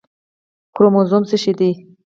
کروموزوم څه شی دی